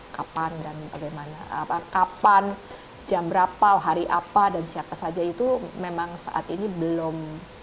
kapan jam berapa hari apa dan siapa saja itu memang saat ini belum